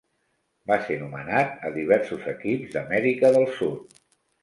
Va ser nomenat a diversos equips d'Amèrica del Sud.